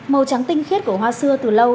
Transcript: màu trắng tinh khiết của hoa xưa từ lâu